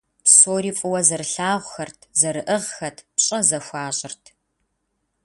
Псори фӀыуэ зэрылъагъухэрт, зэрыӀыгъхэт, пщӀэ зэхуащӀырт.